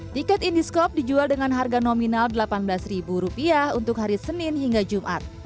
tiket indiscope dijual dengan harga nominal rp delapan belas untuk hari senin hingga jumat